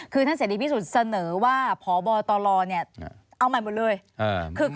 คือท่านเสรีพิสุทธิ์เสนอว่าพบตลเนี่ยเอาใหม่หมดเลย